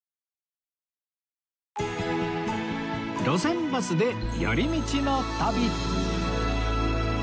『路線バスで寄り道の旅』